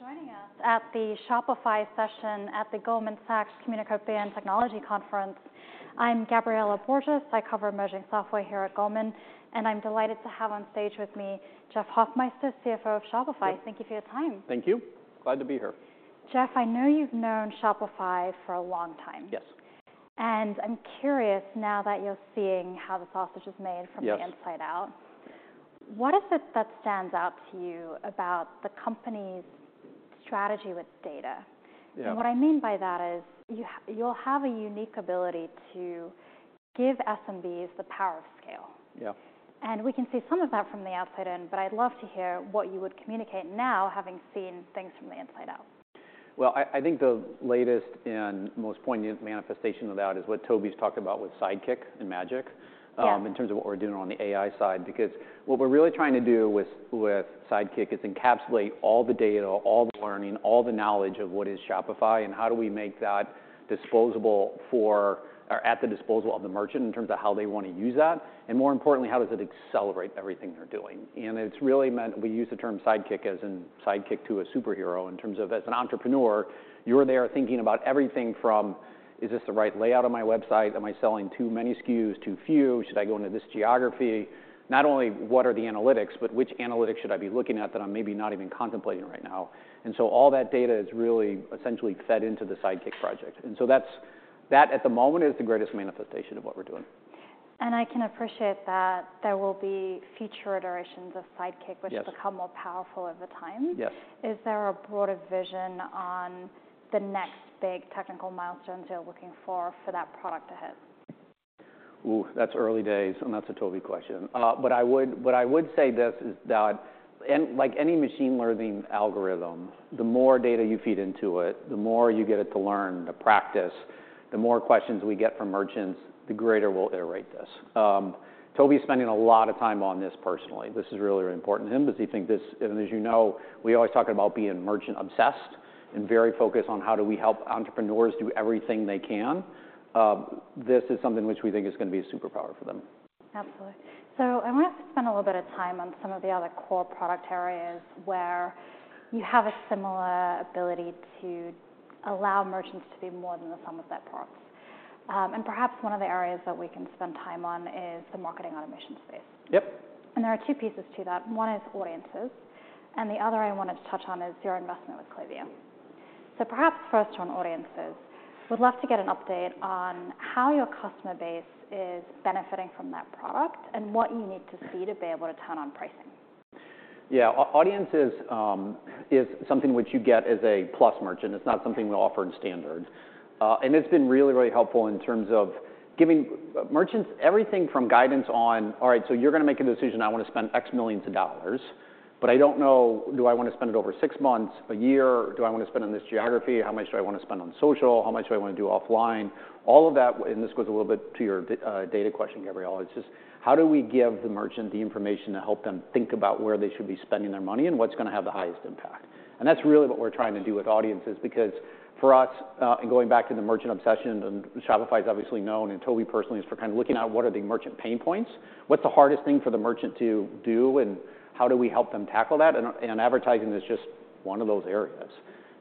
Thank you for joining us at the Shopify session at the Goldman Sachs Communications and Technology Conference. I'm Gabriela Borges. I cover emerging software here at Goldman, and I'm delighted to have on stage with me, Jeff Hoffmeister, CFO of Shopify. Yes. Thank you for your time. Thank you. Glad to be here. Jeff, I know you've known Shopify for a long time. Yes. I'm curious, now that you're seeing how the process is made- Yes. From the inside out, what is it that stands out to you about the company's strategy with data? Yeah. What I mean by that is, you'll have a unique ability to give SMBs the power of scale. Yeah. We can see some of that from the outside in, but I'd love to hear what you would communicate now, having seen things from the inside out. Well, I think the latest and most poignant manifestation of that is what Tobi's talked about with Sidekick and Magic- Yeah. In terms of what we're doing on the AI side. Because what we're really trying to do with, with Sidekick is encapsulate all the data, all the learning, all the knowledge of what is Shopify, and how do we make that disposable or at the disposal of the merchant in terms of how they want to use that, and more importantly, how does it accelerate everything they're doing? And it's really meant, we use the term sidekick as in sidekick to a superhero. In terms of as an entrepreneur, you're there thinking about everything from, "Is this the right layout of my website? Am I selling too many SKUs, too few? Should I go into this geography?" Not only what are the analytics, but which analytics should I be looking at that I'm maybe not even contemplating right now. And so all that data is really essentially fed into the Sidekick project, and so that, at the moment, is the greatest manifestation of what we're doing. I can appreciate that there will be future iterations of Sidekick- Yes. -which become more powerful over time. Yes. Is there a broader vision on the next big technical milestones you're looking for for that product ahead? Ooh, that's early days, and that's a Tobi question. But I would—what I would say is that, and like any machine learning algorithm, the more data you feed into it, the more you get it to learn, to practice, the more questions we get from merchants, the greater we'll iterate this. Tobi is spending a lot of time on this personally. This is really, really important to him because he think this, and as you know, we always talk about being merchant-obsessed and very focused on how do we help entrepreneurs do everything they can. This is something which we think is going to be a superpower for them. Absolutely. I want to spend a little bit of time on some of the other core product areas where you have a similar ability to allow merchants to be more than the sum of their parts. Perhaps one of the areas that we can spend time on is the marketing automation space. Yep. There are two pieces to that. One is Audiences, and the other I wanted to touch on is your investment with Klaviyo. So perhaps first on Audiences, would love to get an update on how your customer base is benefiting from that product and what you need to see to be able to turn on pricing? Yeah, Audiences is something which you get as a Plus merchant. It's not something we offer in Standard. And it's been really, really helpful in terms of giving merchants everything from guidance on, "All right, so you're going to make a decision. I want to spend $X million, but I don't know, do I want to spend it over six months, a year? Do I want to spend it on this geography? How much do I want to spend on social? How much do I want to do offline?" All of that, and this goes a little bit to your data question, Gabriela, it's just how do we give the merchant the information to help them think about where they should be spending their money and what's going to have the highest impact? And that's really what we're trying to do with Audiences, because for us, and going back to the merchant obsession, and Shopify is obviously known, and Tobi personally, is for kind of looking at what are the merchant pain points, what's the hardest thing for the merchant to do, and how do we help them tackle that? And advertising is just one of those areas.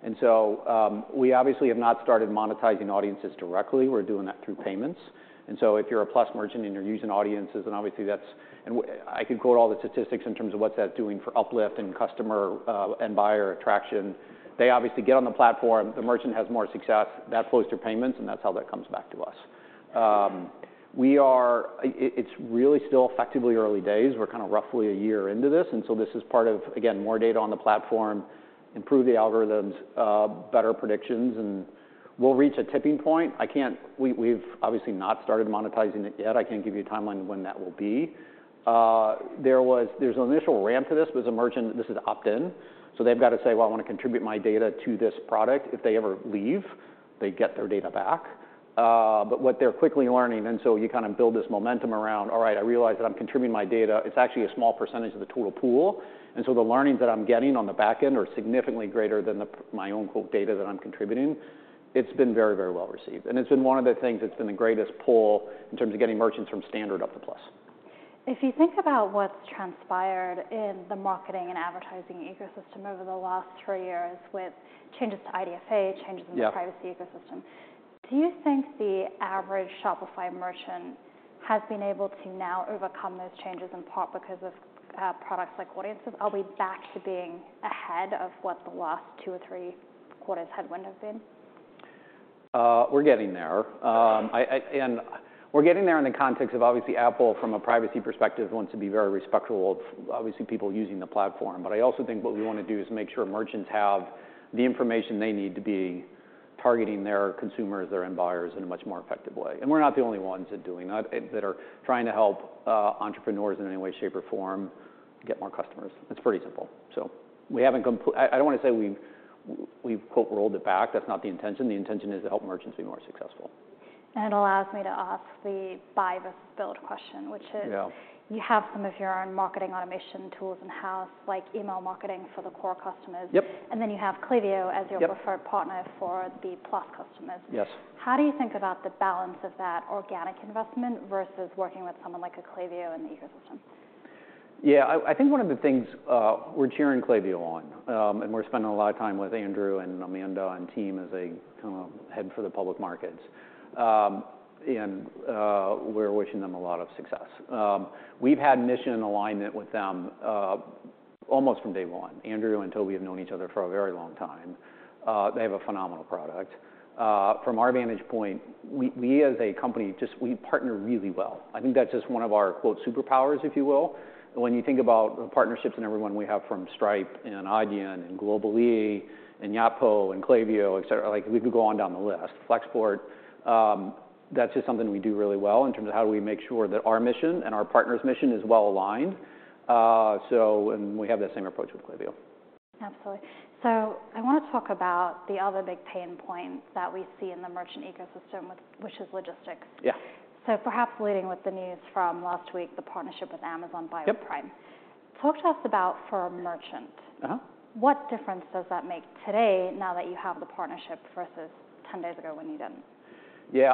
And so, we obviously have not started monetizing Audiences directly. We're doing that through payments. And so if you're a Plus merchant and you're using Audiences, then obviously that's- And I could quote all the statistics in terms of what that's doing for uplift and customer, and buyer attraction. They obviously get on the platform, the merchant has more success. That flows through payments, and that's how that comes back to us. It's really still effectively early days. We're kind of roughly a year into this, and so this is part of, again, more data on the platform, improve the algorithms, better predictions, and we'll reach a tipping point. We've obviously not started monetizing it yet. I can't give you a timeline of when that will be. There's an initial ramp to this, with the merchant, this is opt-in, so they've got to say, "Well, I want to contribute my data to this product." If they ever leave, they get their data back. But what they're quickly learning, and so you kind of build this momentum around, "All right, I realize that I'm contributing my data. It's actually a small percentage of the total pool, and so the learnings that I'm getting on the back end are significantly greater than my own quote data that I'm contributing." It's been very, very well received, and it's been one of the things that's been the greatest pull in terms of getting merchants from Standard up to Plus. If you think about what's transpired in the marketing and advertising ecosystem over the last three years, with changes to IDFA- Yeah. Changes in the privacy ecosystem, do you think the average Shopify merchant has been able to now overcome those changes, in part because of products like Audiences? Are we back to being ahead of what the last two or three quarters headwind have been? We're getting there. And we're getting there in the context of, obviously, Apple, from a privacy perspective, wants to be very respectful of obviously, people using the platform. But I also think what we want to do is make sure merchants have the information they need to be targeting their consumers or end buyers in a much more effective way. And we're not the only ones at doing that, that are trying to help entrepreneurs in any way, shape, or form get more customers. It's pretty simple. So we haven't comple- I don't want to say we've quote, "rolled it back." That's not the intention. The intention is to help merchants be more successful. It allows me to ask the buy versus build question, which is- Yeah. ... you have some of your own marketing automation tools in-house, like email marketing for the core customers. Yep. And then you have Klaviyo- Yep. as your preferred partner for the Plus customers. Yes. How do you think about the balance of that organic investment versus working with someone like a Klaviyo in the ecosystem? Yeah, I think one of the things, we're cheering Klaviyo on, and we're spending a lot of time with Andrew and Amanda and team as they kind of head for the public markets. We're wishing them a lot of success. We've had mission and alignment with them, almost from day one. Andrew and Tobi have known each other for a very long time. They have a phenomenal product. From our vantage point, we as a company just partner really well. I think that's just one of our, quote, superpowers, if you will. When you think about the partnerships and everyone we have from Stripe and Adyen, and Global-e, and Yotpo, and Klaviyo, et cetera, like, we could go on down the list. Flexport, that's just something we do really well in terms of how do we make sure that our mission and our partner's mission is well-aligned. And we have that same approach with Klaviyo. Absolutely. So I want to talk about the other big pain points that we see in the merchant ecosystem, which is logistics. Yeah. Perhaps leading with the news from last week, the partnership with Amazon Buy with Prime. Yep. Talk to us about for a merchant. Uh-huh. What difference does that make today now that you have the partnership versus 10 days ago when you didn't? Yeah,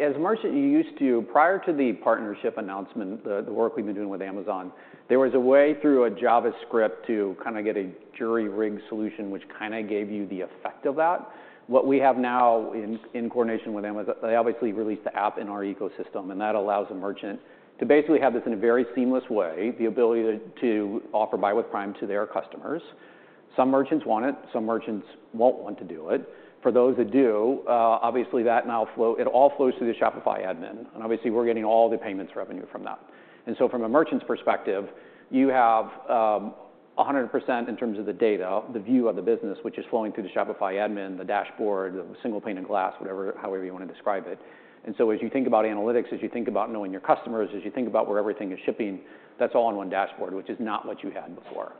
as a merchant, you used to... Prior to the partnership announcement, the work we've been doing with Amazon, there was a way through a JavaScript to kind of get a jury-rigged solution, which kind of gave you the effect of that. What we have now in coordination with Amazon, they obviously released the app in our ecosystem, and that allows the merchant to basically have this in a very seamless way, the ability to offer Buy with Prime to their customers. Some merchants want it, some merchants won't want to do it. For those that do, obviously, that now flows, it all flows through the Shopify admin, and obviously, we're getting all the payments revenue from that. From a merchant's perspective, you have 100% in terms of the data, the view of the business, which is flowing through the Shopify admin, the dashboard, the single pane of glass, whatever, however you want to describe it. As you think about analytics, as you think about knowing your customers, as you think about where everything is shipping, that's all in one dashboard, which is not what you had before.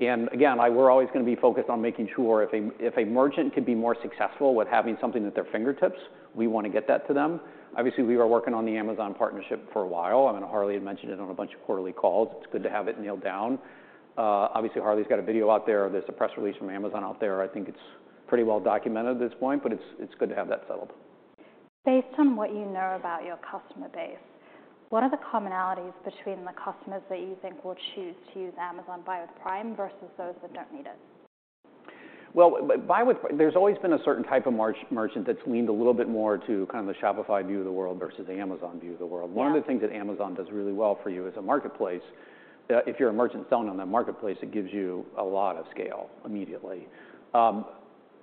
And again, we're always going to be focused on making sure if a merchant could be more successful with having something at their fingertips, we want to get that to them. Obviously, we were working on the Amazon partnership for a while, and Harley had mentioned it on a bunch of quarterly calls. It's good to have it nailed down. Obviously, Harley's got a video out there. There's a press release from Amazon out there. I think it's pretty well documented at this point, but it's, it's good to have that settled. Based on what you know about your customer base, what are the commonalities between the customers that you think will choose to use Amazon Buy with Prime versus those that don't need it? Well, Buy with Prime—there's always been a certain type of merchant that's leaned a little bit more to kind of the Shopify view of the world versus the Amazon view of the world. Yeah. One of the things that Amazon does really well for you as a marketplace, if you're a merchant selling on that marketplace, it gives you a lot of scale immediately. That,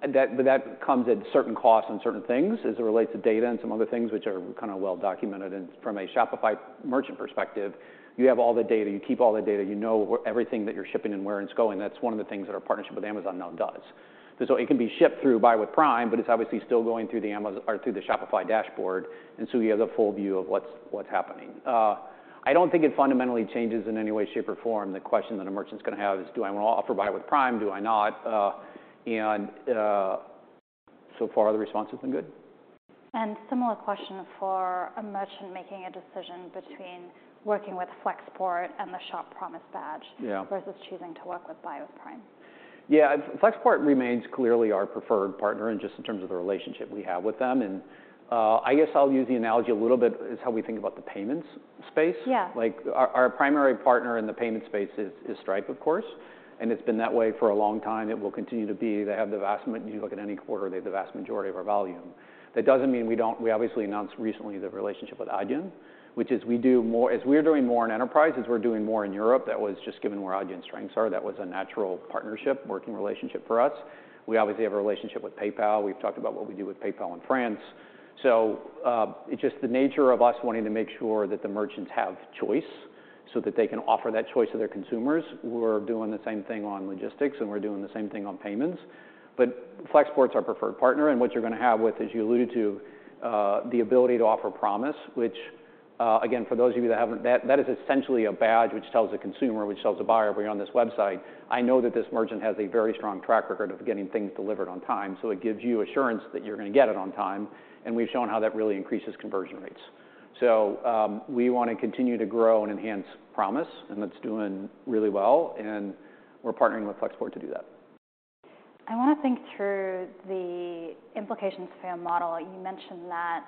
but that comes at certain costs and certain things as it relates to data and some other things which are kind of well documented. And from a Shopify merchant perspective, you have all the data, you keep all the data, you know everything that you're shipping and where it's going. That's one of the things that our partnership with Amazon now does. So it can be shipped through Buy with Prime, but it's obviously still going through the Amazon or through the Shopify dashboard, and so you have the full view of what's happening. I don't think it fundamentally changes in any way, shape, or form. The question that a merchant's going to have is, "Do I want to offer Buy with Prime? Do I not?" So far, the response has been good. Similar question for a merchant making a decision between working with Flexport and the Shop Promise badge? Yeah. -versus choosing to work with Buy with Prime. Yeah. Flexport remains clearly our preferred partner and just in terms of the relationship we have with them. I guess I'll use the analogy a little bit is how we think about the payments space. Yeah. Like, our primary partner in the payments space is Stripe, of course, and it's been that way for a long time. It will continue to be. They have the vast majority... You look at any quarter, they have the vast majority of our volume. That doesn't mean we don't, we obviously announced recently the relationship with Adyen, which is we do more, as we're doing more in enterprises, we're doing more in Europe. That was just given where Adyen's strengths are. That was a natural partnership, working relationship for us. We obviously have a relationship with PayPal. We've talked about what we do with PayPal in France. So, it's just the nature of us wanting to make sure that the merchants have choice so that they can offer that choice to their consumers. We're doing the same thing on logistics, and we're doing the same thing on payments. But Flexport's our preferred partner, and what you're going to have with, as you alluded to, the ability to offer Promise, which, again, for those of you that haven't, that is essentially a badge which tells a consumer, which tells a buyer, "When you're on this website, I know that this merchant has a very strong track record of getting things delivered on time, so it gives you assurance that you're going to get it on time." And we've shown how that really increases conversion rates. So, we want to continue to grow and enhance Promise, and that's doing really well, and we're partnering with Flexport to do that. I want to think through the implications for your model. You mentioned that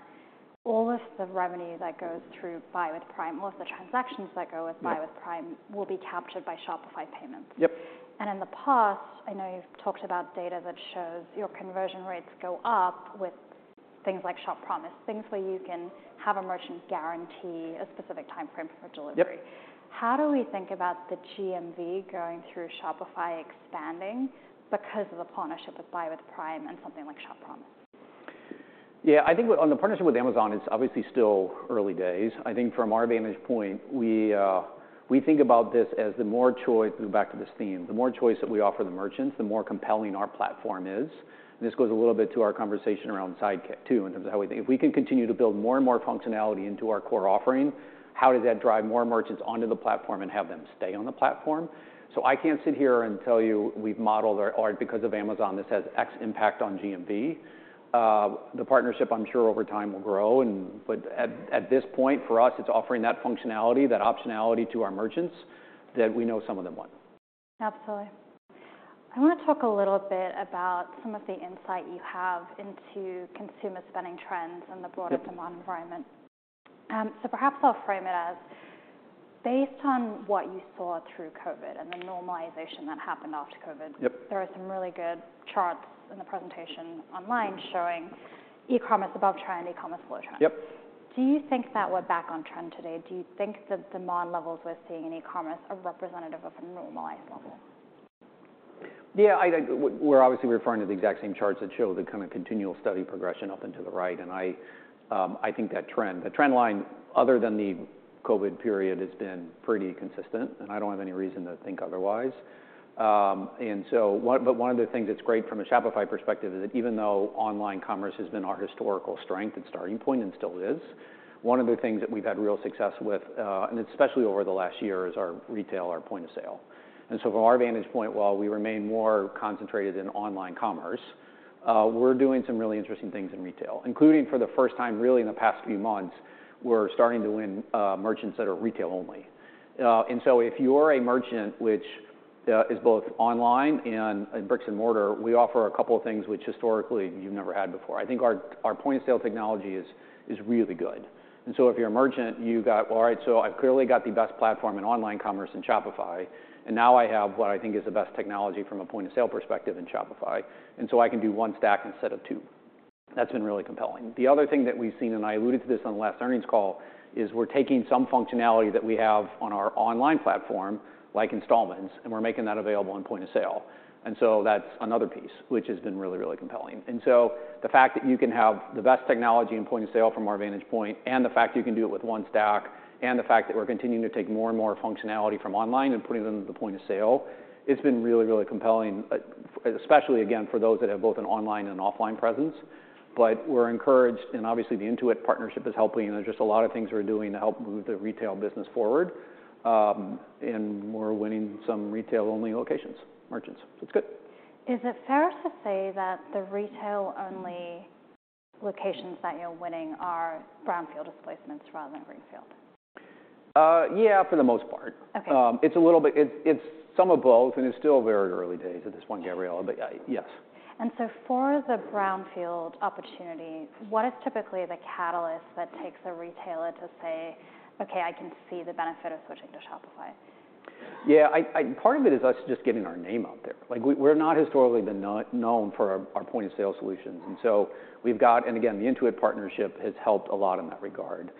all of the revenue that goes through Buy with Prime, most of the transactions that go with- Yeah. Buy with Prime will be captured by Shopify Payments. Yep. In the past, I know you've talked about data that shows your conversion rates go up with things like Shop Promise, things where you can have a merchant guarantee a specific timeframe for delivery. Yep. How do we think about the GMV going through Shopify expanding because of the partnership with Buy with Prime and something like Shop Promise? Yeah, I think on the partnership with Amazon, it's obviously still early days. I think from our vantage point, we, we think about this as the more choice, back to this theme, the more choice that we offer the merchants, the more compelling our platform is. This goes a little bit to our conversation around Sidekick, too, in terms of how we think. If we can continue to build more and more functionality into our core offering, how does that drive more merchants onto the platform and have them stay on the platform? So I can't sit here and tell you we've modeled or, or because of Amazon, this has X impact on GMV. The partnership, I'm sure over time, will grow and... but at, at this point, for us, it's offering that functionality, that optionality to our merchants, that we know some of them want. Absolutely. I want to talk a little bit about some of the insight you have into consumer spending trends and the- Yep. broader demand environment. So perhaps I'll frame it as based on what you saw through COVID and the normalization that happened after COVID. Yep. There are some really good charts in the presentation online showing e-commerce above trend, e-commerce below trend. Yep. Do you think that we're back on trend today? Do you think that the demand levels we're seeing in e-commerce are representative of a normalized level? Yeah, we're obviously referring to the exact same charts that show the kind of continual steady progression up and to the right, and I think that trend, the trend line, other than the COVID period, has been pretty consistent, and I don't have any reason to think otherwise. And so, but one of the things that's great from a Shopify perspective is that even though online commerce has been our historical strength and starting point and still is, one of the things that we've had real success with, and especially over the last year, is our retail, our point of sale. From our vantage point, while we remain more concentrated in online commerce, we're doing some really interesting things in retail, including for the first time, really, in the past few months, we're starting to win merchants that are retail only. If you're a merchant which is both online and in bricks and mortar, we offer a couple of things which historically you've never had before. I think our point of sale technology is really good. If you're a merchant, you've got, "All right, so I've clearly got the best platform in online commerce in Shopify, and now I have what I think is the best technology from a point-of-sale perspective in Shopify, and so I can do one stack instead of two." That's been really compelling. The other thing that we've seen, and I alluded to this on the last earnings call, is we're taking some functionality that we have on our online platform, like installments, and we're making that available on point of sale. And so that's another piece which has been really, really compelling. And so the fact that you can have the best technology and point of sale from our vantage point, and the fact that you can do it with one stack, and the fact that we're continuing to take more and more functionality from online and putting them to the point of sale, it's been really, really compelling, especially again, for those that have both an online and offline presence. But we're encouraged, and obviously the Intuit partnership is helping. There's just a lot of things we're doing to help move the retail business forward, and we're winning some retail-only locations, merchants. So it's good. Is it fair to say that the retail-only locations that you're winning are brownfield displacements rather than greenfield? Yeah, for the most part. Okay. It's a little bit. It's some of both, and it's still very early days at this point, Gabriela, but I... Yes. For the brownfield opportunity, what is typically the catalyst that takes a retailer to say, "Okay, I can see the benefit of switching to Shopify? Yeah, part of it is us just getting our name out there. Like, we're not historically known for our point-of-sale solutions, and so we've got and again, the Intuit partnership has helped a lot in that regard.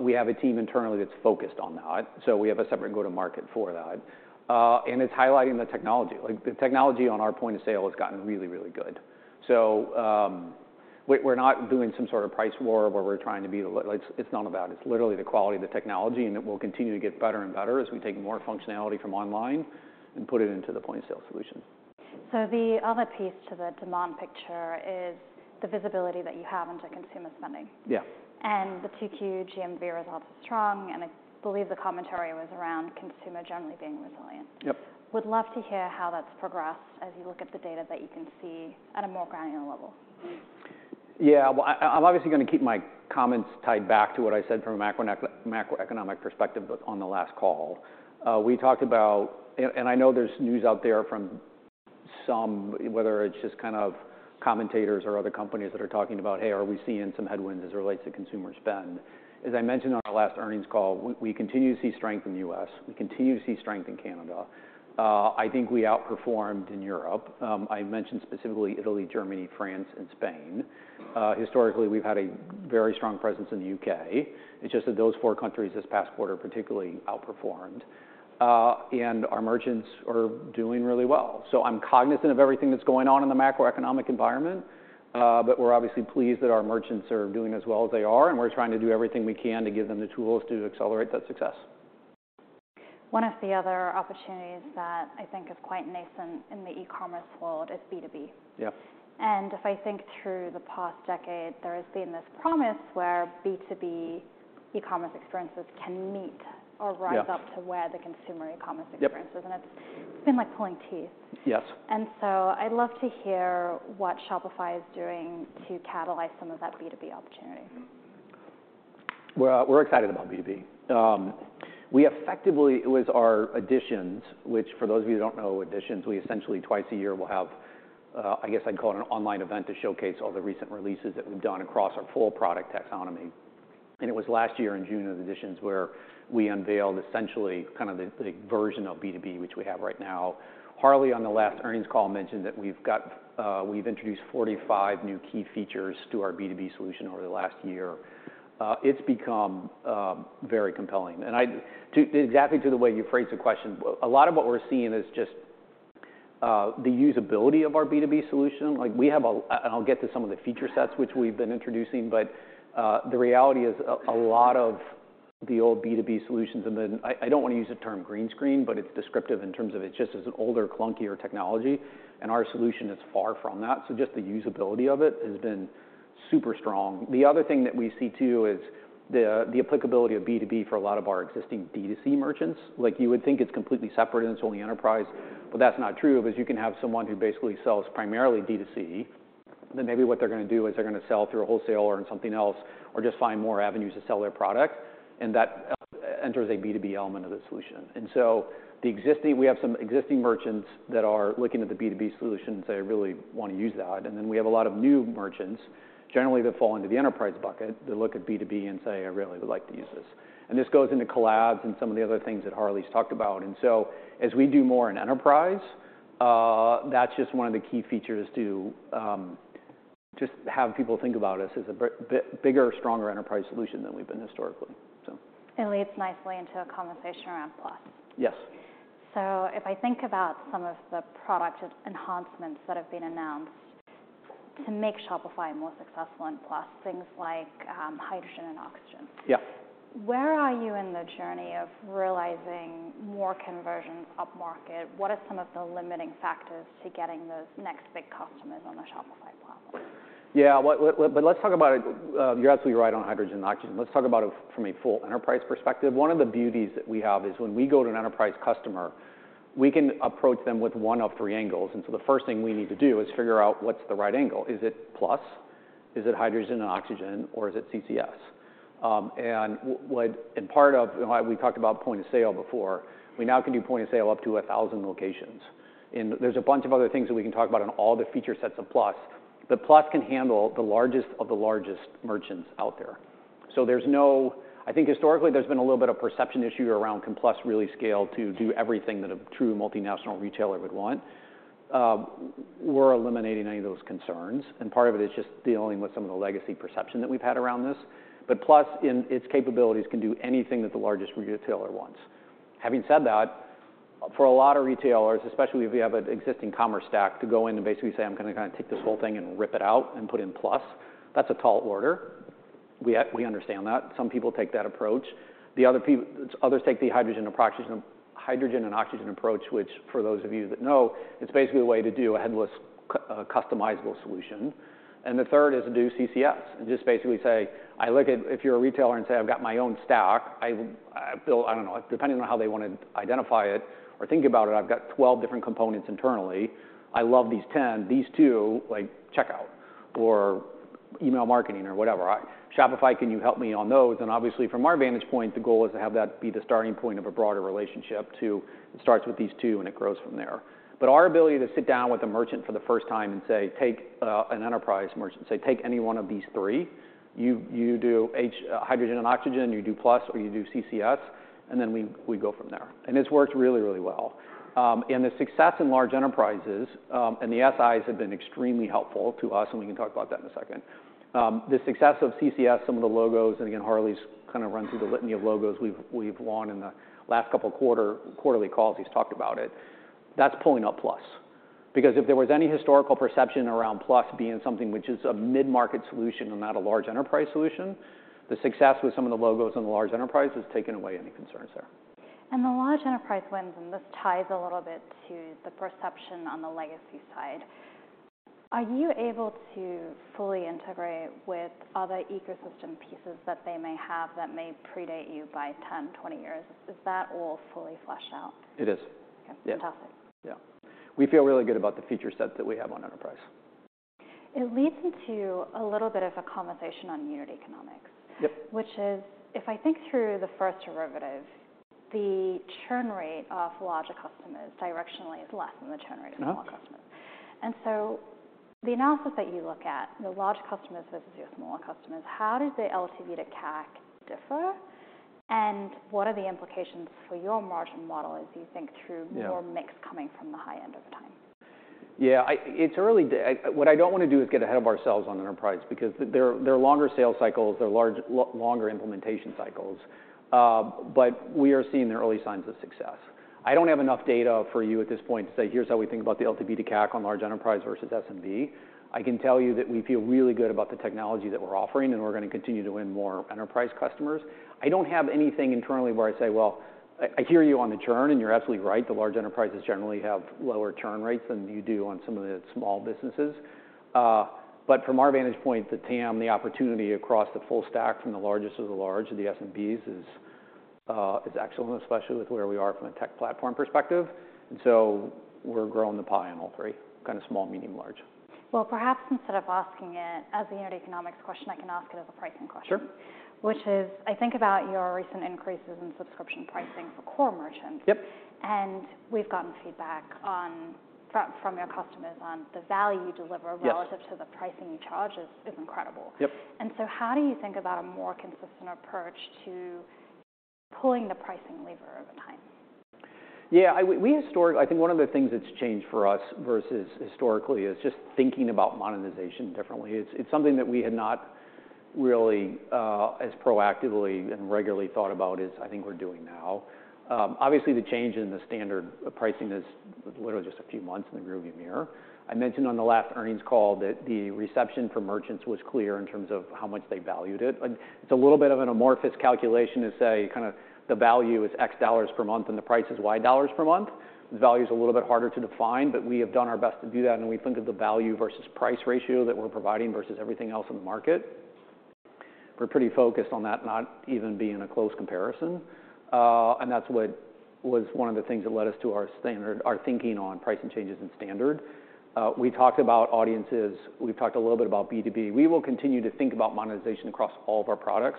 We have a team internally that's focused on that, so we have a separate go-to-market for that. And it's highlighting the technology. Like, the technology on our point of sale has gotten really, really good. So, we're not doing some sort of price war where we're trying to be the..., like, it's not about, it's literally the quality of the technology, and it will continue to get better and better as we take more functionality from online and put it into the point of sale solution. So the other piece to the demand picture is the visibility that you have into consumer spending. Yeah. The TQ GMV results are strong, and I believe the commentary was around consumer generally being resilient. Yep. Would love to hear how that's progressed as you look at the data that you can see at a more granular level. Yeah, well, I'm obviously going to keep my comments tied back to what I said from a macroeconomic perspective, but on the last call. We talked about. And I know there's news out there from some, whether it's just kind of commentators or other companies that are talking about, "Hey, are we seeing some headwinds as it relates to consumer spend?" As I mentioned on our last earnings call, we continue to see strength in the U.S., we continue to see strength in Canada. I think we outperformed in Europe. I mentioned specifically Italy, Germany, France, and Spain. Historically, we've had a very strong presence in the U.K. It's just that those four countries, this past quarter, particularly outperformed, and our merchants are doing really well. I'm cognizant of everything that's going on in the macroeconomic environment, but we're obviously pleased that our merchants are doing as well as they are, and we're trying to do everything we can to give them the tools to accelerate that success. One of the other opportunities that I think is quite nascent in the e-commerce world is B2B. Yep. If I think through the past decade, there has been this promise where B2B e-commerce experiences can meet- Yep. or rise up to where the consumer e-commerce experiences and it's been like pulling teeth. Yes. I'd love to hear what Shopify is doing to catalyze some of that B2B opportunity. Well, we're excited about B2B. We effectively, with our Editions, which for those of you who don't know, Editions, we essentially twice a year will have, I guess I'd call it an online event to showcase all the recent releases that we've done across our full product taxonomy. And it was last year in June of Editions, where we unveiled essentially kind of the version of B2B, which we have right now. Harley, on the last earnings call, mentioned that we've introduced 45 new key features to our B2B solution over the last year. It's become very compelling. And exactly to the way you phrased the question, a lot of what we're seeing is just the usability of our B2B solution. Like, we have a, and I'll get to some of the feature sets which we've been introducing, but the reality is a lot of the old B2B solutions, and then I don't want to use the term green screen, but it's descriptive in terms of it's just as an older, clunkier technology, and our solution is far from that. So just the usability of it has been super strong. The other thing that we see, too, is the applicability of B2B for a lot of our existing D2C merchants. Like, you would think it's completely separate and it's only enterprise, but that's not true, because you can have someone who basically sells primarily D2C, then maybe what they're gonna do is they're gonna sell through a wholesaler or something else, or just find more avenues to sell their product, and that enters a B2B element of the solution. And so we have some existing merchants that are looking at the B2B solution, and say, "I really want to use that." And then we have a lot of new merchants, generally that fall into the enterprise bucket, that look at B2B and say, "I really would like to use this." And this goes into collabs and some of the other things that Harley's talked about. And so as we do more in enterprise, that's just one of the key features to just have people think about us as a bigger, stronger enterprise solution than we've been historically, so. It leads nicely into a conversation around Plus. Yes. So if I think about some of the product enhancements that have been announced to make Shopify more successful in Plus, things like, Hydrogen and Oxygen. Yeah. Where are you in the journey of realizing more conversions upmarket? What are some of the limiting factors to getting those next big customers on the Shopify platform? Yeah, well, well, but let's talk about... You're absolutely right on Hydrogen and Oxygen. Let's talk about it from a full enterprise perspective. One of the beauties that we have is when we go to an enterprise customer, we can approach them with one of three angles, and so the first thing we need to do is figure out what's the right angle. Is it Plus? Is it Hydrogen and Oxygen, or is it CCS? And part of why we talked about point-of-sale before, we now can do point-of-sale up to 1,000 locations. And there's a bunch of other things that we can talk about on all the feature sets of Plus. But Plus can handle the largest of the largest merchants out there, so there's no—I think historically, there's been a little bit of perception issue around, "Can Plus really scale to do everything that a true multinational retailer would want?" We're eliminating any of those concerns, and part of it is just dealing with some of the legacy perception that we've had around this. But Plus, in its capabilities, can do anything that the largest retailer wants. Having said that, for a lot of retailers, especially if you have an existing commerce stack, to go in and basically say, "I'm gonna take this whole thing and rip it out and put in Plus," that's a tall order. We, we understand that. Some people take that approach. The others take the Hydrogen and Oxygen, Hydrogen and Oxygen approach, which for those of you that know, it's basically a way to do a headless customizable solution. And the third is to do CCS, and just basically say, "If you're a retailer and say, 'I've got my own stack. I built...' I don't know, depending on how they want to identify it or think about it, 'I've got 12 different components internally. I love these 10. These two, like checkout or email marketing or whatever, Shopify, can you help me on those?'" And obviously, from our vantage point, the goal is to have that be the starting point of a broader relationship. It starts with these two, and it grows from there. Our ability to sit down with a merchant for the first time and say, "Take, take any one of these three. You do Hydrogen and Oxygen, you do Plus, or you do CCS," and then we go from there. It's worked really, really well. The success in large enterprises and the SIs have been extremely helpful to us, and we can talk about that in a second. The success of CCS, some of the logos, and again, Harley's kind of run through the litany of logos we've won in the last couple quarterly calls, he's talked about it. That's pulling up Plus, because if there was any historical perception around Plus being something which is a mid-market solution and not a large enterprise solution, the success with some of the logos on the large enterprise has taken away any concerns there. The large enterprise wins, and this ties a little bit to the perception on the legacy side. Are you able to fully integrate with other ecosystem pieces that they may have that may predate you by 10, 20 years? Is that all fully fleshed out? It is. Okay. Yeah. Fantastic. Yeah. We feel really good about the feature set that we have on enterprise. It leads into a little bit of a conversation on unit economics- Yep.... which is, if I think through the first derivative, the churn rate of larger customers directionally is less than the churn rate of small customers. And so the analysis that you look at, the large customers versus your smaller customers, how does the LTV to CAC differ, and what are the implications for your margin model as you think through? Yeah. Your mix coming from the high end over time? Yeah, it's early days. What I don't want to do is get ahead of ourselves on enterprise, because they're longer sales cycles, they're larger, longer implementation cycles. But we are seeing the early signs of success. I don't have enough data for you at this point to say, "Here's how we think about the LTV to CAC on large enterprise versus SMB." I can tell you that we feel really good about the technology that we're offering, and we're going to continue to win more enterprise customers. I don't have anything internally where I say, "Well..." I hear you on the churn, and you're absolutely right. The large enterprises generally have lower churn rates than you do on some of the small businesses. But from our vantage point, the TAM, the opportunity across the full stack, from the largest of the large, the SMBs, is excellent, especially with where we are from a tech platform perspective. And so we're growing the pie in all three, kind of small, medium, large. Well, perhaps instead of asking it as a unit economics question, I can ask it as a pricing question. Sure. Which is, I think, about your recent increases in subscription pricing for core merchants- Yep.... and we've gotten feedback from your customers on the value you deliver- Yes. Relative to the pricing you charge is incredible. Yep. How do you think about a more consistent approach to pulling the pricing lever over time? Yeah, we historically—I think one of the things that's changed for us versus historically is just thinking about monetization differently. It's something that we had not really as proactively and regularly thought about as I think we're doing now. Obviously, the change in the Standard, the pricing is literally just a few months in the rear-view mirror. I mentioned on the last earnings call that the reception for merchants was clear in terms of how much they valued it, and it's a little bit of an amorphous calculation to say kind of the value is X dollars per month and the price is Y dollars per month. The value is a little bit harder to define, but we have done our best to do that, and we think of the value versus price ratio that we're providing versus everything else in the market. We're pretty focused on that not even being a close comparison, and that was one of the things that led us to our Standard, our thinking on pricing changes and Standard. We talked about Audiences, we've talked a little bit about B2B. We will continue to think about monetization across all of our products.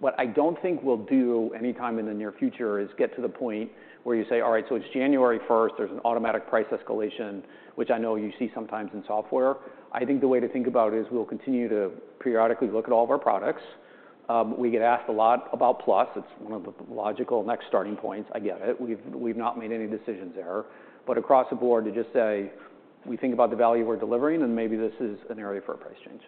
What I don't think we'll do anytime in the near future is get to the point where you say, "All right, so it's January 1st, there's an automatic price escalation," which I know you see sometimes in software. I think the way to think about it is we'll continue to periodically look at all of our products. We get asked a lot about Plus. It's one of the logical next starting points. I get it. We've, we've not made any decisions there. Across the board, to just say, we think about the value we're delivering, and maybe this is an area for a price change.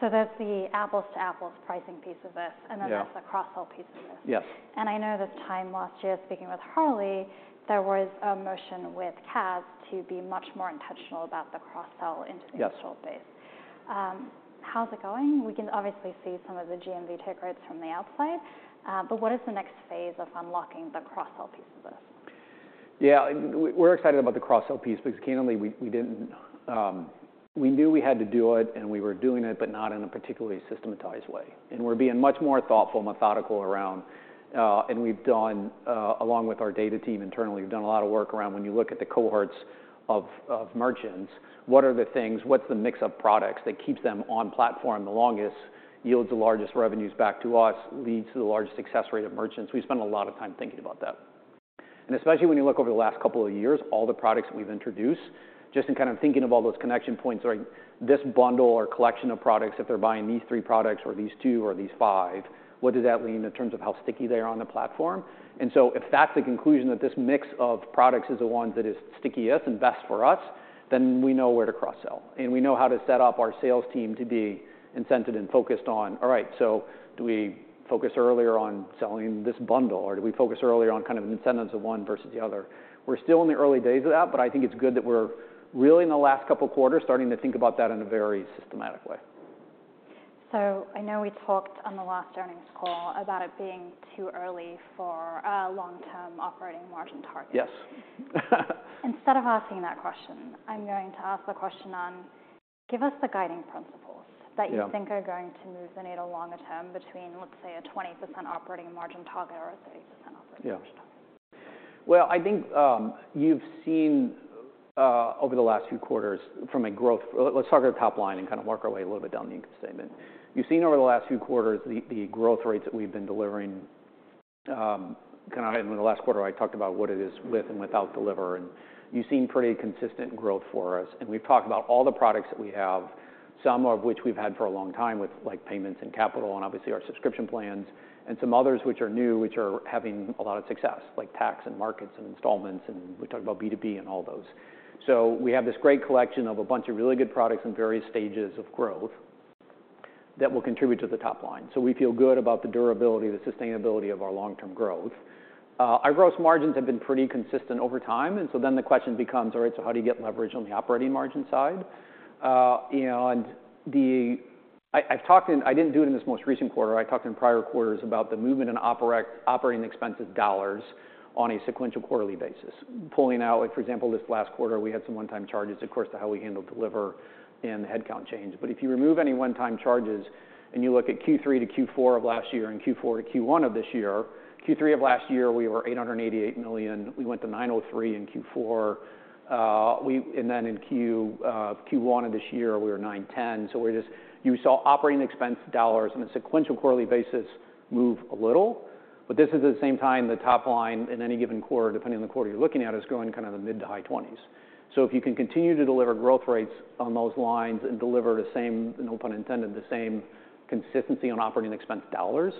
That's the apples-to-apples pricing piece of this- Yeah. And then that's the cross-sell piece of this? Yes. I know this time last year, speaking with Harley, there was a motion with Kaz to be much more intentional about the cross-sell into- Yes. - the install base. How's it going? We can obviously see some of the GMV take rates from the outside, but what is the next phase of unlocking the cross-sell piece of this? Yeah, we're excited about the cross-sell piece because candidly, we didn't. We knew we had to do it, and we were doing it, but not in a particularly systematized way. And we're being much more thoughtful, methodical around, and we've done, along with our data team internally, we've done a lot of work around when you look at the cohorts of, of merchants, what are the things, what's the mix of products that keeps them on platform the longest, yields the largest revenues back to us, leads to the largest success rate of merchants? We spend a lot of time thinking about that. Especially when you look over the last couple of years, all the products that we've introduced, just in kind of thinking of all those connection points, right, this bundle or collection of products, if they're buying these three products, or these two, or these five, what does that mean in terms of how sticky they are on the platform? And so if that's the conclusion, that this mix of products is the one that is stickiest and best for us, then we know where to cross-sell, and we know how to set up our sales team to be incented and focused on, all right, so do we focus earlier on selling this bundle, or do we focus earlier on kind of incentives of one versus the other? We're still in the early days of that, but I think it's good that we're really, in the last couple of quarters, starting to think about that in a very systematic way. So I know we talked on the last earnings call about it being too early for a long-term operating margin target. Yes. Instead of asking that question, I'm going to ask the question on: give us the guiding principles- Yeah. -that you think are going to move the needle longer term between, let's say, a 20% operating margin target or a 30% operating margin target? Yeah. Well, I think you've seen over the last few quarters. Let's talk at the top line and kind of work our way a little bit down the income statement. You've seen over the last few quarters the growth rates that we've been delivering, kind of in the last quarter, I talked about what it is with and without Deliverr, and you've seen pretty consistent growth for us. And we've talked about all the products that we have, some of which we've had for a long time, with, like, payments and capital and obviously our subscription plans, and some others which are new, which are having a lot of success, like tax and markets and installments, and we talked about B2B and all those. So we have this great collection of a bunch of really good products in various stages of growth that will contribute to the top line. So we feel good about the durability, the sustainability of our long-term growth. Our gross margins have been pretty consistent over time, and so then the question becomes: all right, so how do you get leverage on the operating margin side? You know, and the... I've talked in-- I didn't do it in this most recent quarter, I talked in prior quarters, about the movement in operating expense dollars on a sequential quarterly basis. Pulling out, like, for example, this last quarter, we had some one-time charges, of course, to how we handled Deliverr and the headcount change. But if you remove any one-time charges and you look at Q3 to Q4 of last year and Q4 to Q1 of this year, Q3 of last year, we were $888 million. We went to $903 million in Q4. And then in Q1 of this year, we were $910 million. So we're just- you saw operating expense dollars on a sequential quarterly basis move a little, but this is, at the same time, the top line in any given quarter, depending on the quarter you're looking at, is growing kind of the mid- to high 20s. So if you can continue to deliver growth rates on those lines and deliver the same, no pun intended, the same consistency on operating expense dollars,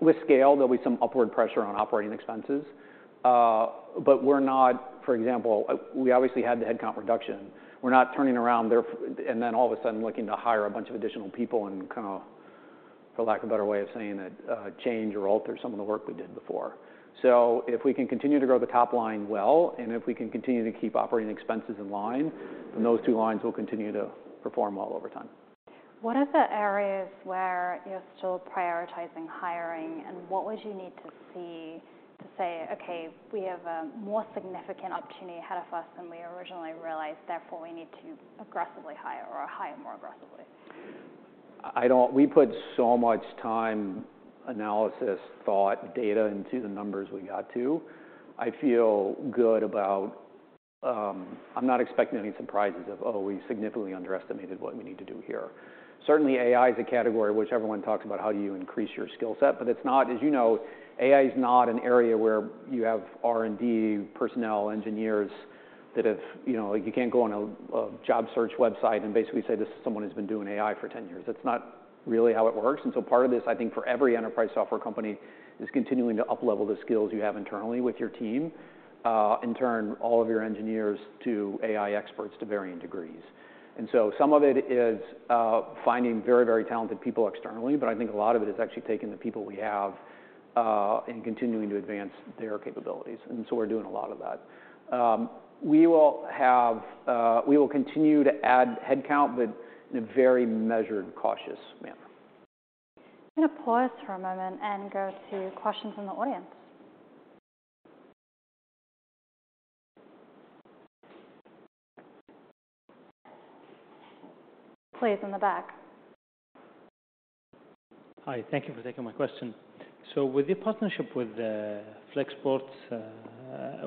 with scale, there'll be some upward pressure on operating expenses. But we're not. For example, we obviously had the headcount reduction. We're not turning around there, and then all of a sudden looking to hire a bunch of additional people and kind of, for lack of a better way of saying it, change or alter some of the work we did before. So if we can continue to grow the top line well, and if we can continue to keep operating expenses in line, then those two lines will continue to perform well over time. What are the areas where you're still prioritizing hiring, and what would you need to see to say, "Okay, we have a more significant opportunity ahead of us than we originally realized, therefore, we need to aggressively hire or hire more aggressively? We put so much time, analysis, thought, data into the numbers we got to. I feel good about. I'm not expecting any surprises of, oh, we significantly underestimated what we need to do here. Certainly, AI is a category which everyone talks about: how do you increase your skill set? But it's not, as you know, AI is not an area where you have R&D personnel, engineers that have, you know, you can't go on a, a job search website and basically say, "This is someone who's been doing AI for 10 years." That's not really how it works, and so part of this, I think, for every enterprise software company, is continuing to uplevel the skills you have internally with your team, and turn all of your engineers to AI experts to varying degrees. And so some of it is finding very, very talented people externally, but I think a lot of it is actually taking the people we have and continuing to advance their capabilities, and so we're doing a lot of that. We will continue to add headcount, but in a very measured, cautious manner. I'm going to pause for a moment and go to questions from the audience. Please, in the back. Hi, thank you for taking my question. So with your partnership with Flexport,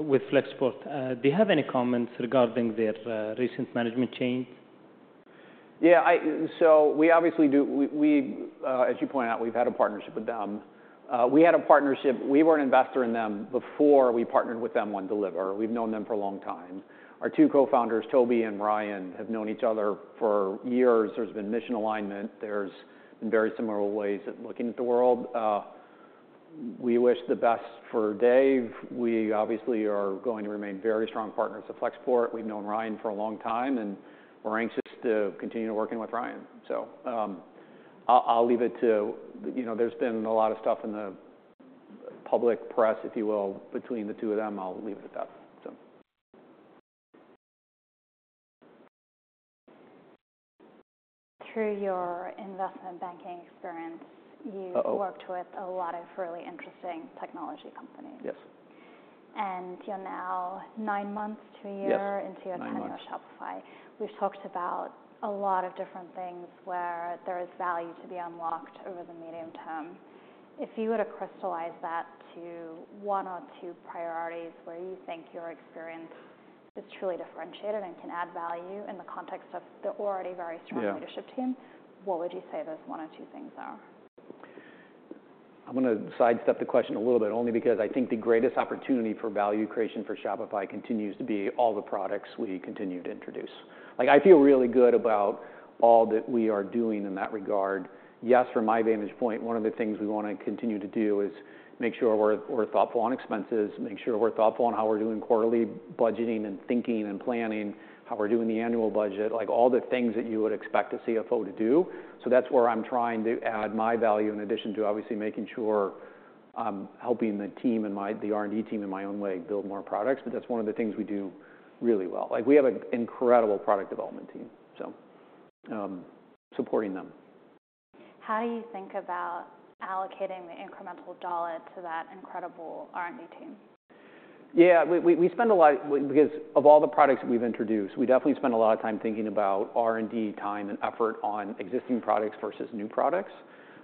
do you have any comments regarding their recent management change? Yeah, so we obviously, as you point out, we've had a partnership with them. We had a partnership. We were an investor in them before we partnered with them on Deliverr. We've known them for a long time. Our two co-founders, Tobi and Ryan, have known each other for years. There's been mission alignment. There's been very similar ways of looking at the world. We wish the best for Dave. We obviously are going to remain very strong partners with Flexport. We've known Ryan for a long time, and we're anxious to continue working with Ryan. So, I'll leave it to... You know, there's been a lot of stuff in the public press, if you will, between the two of them. I'll leave it at that, so. Through your investment banking experience- Uh-oh. You worked with a lot of really interesting technology companies. Yes. You're now nine months to a year- Yes, nine months. -into your tenure at Shopify. We've talked about a lot of different things where there is value to be unlocked over the medium term. If you were to crystallize that to one or two priorities where you think your experience is truly differentiated and can add value in the context of the already very strong- Yeah. leadership team, what would you say those one or two things are? I'm gonna sidestep the question a little bit, only because I think the greatest opportunity for value creation for Shopify continues to be all the products we continue to introduce. Like, I feel really good about all that we are doing in that regard. Yes, from my vantage point, one of the things we want to continue to do is make sure we're thoughtful on expenses, make sure we're thoughtful on how we're doing quarterly budgeting and thinking and planning, how we're doing the annual budget. Like, all the things that you would expect a CFO to do. So that's where I'm trying to add my value, in addition to obviously making sure I'm helping the team and my, the R&D team, in my own way, build more products, but that's one of the things we do really well. Like, we have an incredible product development team, so, supporting them. How do you think about allocating the incremental dollar to that incredible R&D team? Yeah, we spend a lot, because of all the products we've introduced, we definitely spend a lot of time thinking about R&D time and effort on existing products versus new products.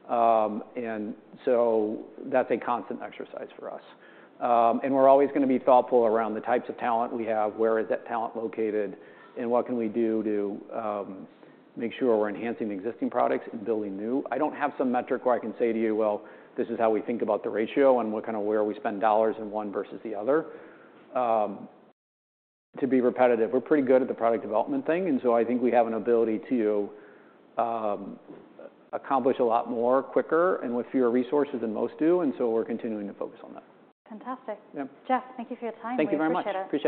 And so that's a constant exercise for us. And we're always gonna be thoughtful around the types of talent we have, where is that talent located, and what can we do to make sure we're enhancing existing products and building new? I don't have some metric where I can say to you, "Well, this is how we think about the ratio and what kind of where we spend dollars in one versus the other." To be repetitive, we're pretty good at the product development thing, and so I think we have an ability to accomplish a lot more quicker and with fewer resources than most do, and so we're continuing to focus on that. Fantastic. Yeah. Jeff, thank you for your time. Thank you very much. We appreciate it. Appreciate it.